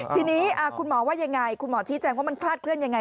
ทีนี้คุณหมอว่ายังไงคุณหมอชี้แจงว่ามันคลาดเคลื่อนยังไง